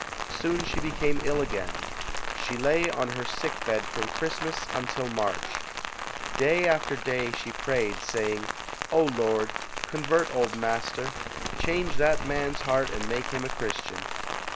Soon she became ill again. She lay on her sick bed from Christmas until March. Day after day she prayed, HARRIET TUBMAN [91 saying, "Oh, Lord, convert old Master; change that man's heart and make him a Christian".